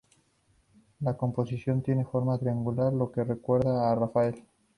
La composición tiene forma triangular, lo que recuerda a Rafael.